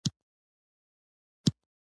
صحابه کرامو به له زړه نه مینه ورسره کوله.